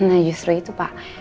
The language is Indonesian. nah justru itu pak